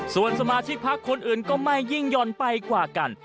ส่วนสมาชิกพักคนอื่นก็ไม่ยิ่งหย่อนไปกว่ากัน